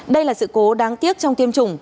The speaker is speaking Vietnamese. đây là sự cố đáng tiếc trong tiêm chủng